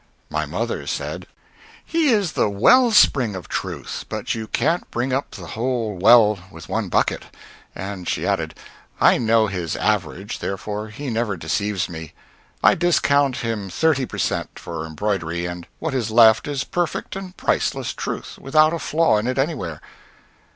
My mother said, "He is the well spring of truth, but you can't bring up the whole well with one bucket" and she added, "I know his average, therefore he never deceives me. I discount him thirty per cent. for embroidery, and what is left is perfect and priceless truth, without a flaw in it anywhere."